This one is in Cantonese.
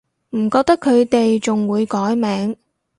唔覺得佢哋仲會改名